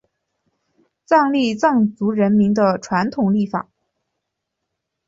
藏历藏族人民的传统历法。